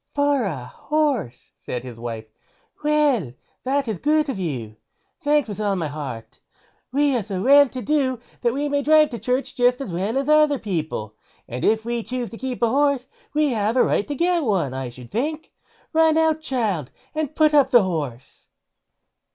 "For a horse", said his wife; "well that is good of you; thanks with all my heart. We are so well to do that we may drive to church, just as well as other people; and if we choose to keep a horse we have a right to get one, I should think. So run out, child, and put up the horse."